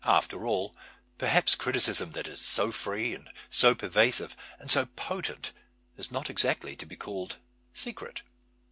After all, perhaps cri ticism that is so free and so pervasive and so potent is not exactly to be called " secret."